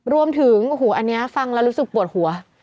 รวมถึงโอ้โหอันนี้ฟังแล้วรู้สึกปวดหัว